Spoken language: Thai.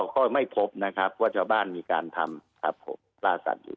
ก็ไม่พบนะครับว่าชาวบ้านมีการทำครับผมล่าสัตว์อยู่